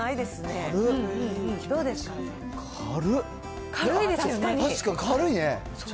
確かに軽いね。